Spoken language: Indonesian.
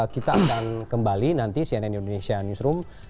kita akan kembali nanti cnn indonesia newsroom